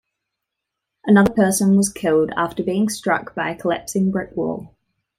Another person was killed after being struck by a collapsing brick wall.